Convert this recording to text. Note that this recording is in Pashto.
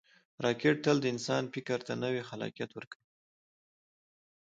راکټ تل د انسان فکر ته نوی خلاقیت ورکوي